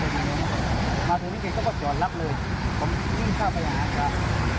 มาถึงนี่เขาก็จอดรับเลยผมวิ่งข้าวไปหาครับ